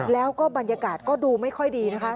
แล้วก็บรรยากาศก็ดูไม่ค่อยดีนะคะ